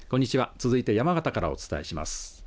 続いて山形からお伝えします。